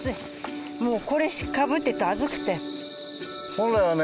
本来はね